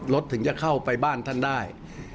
ถึงจะเข้าไปบ้านท่านได้